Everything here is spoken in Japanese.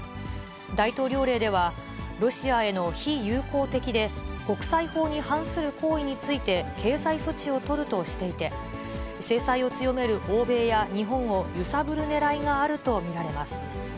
大統領令では、ロシアへの非友好的で国際法に反する行為について経済措置を取るとしていて、制裁を強める欧米や日本を揺さぶるねらいがあると見られます。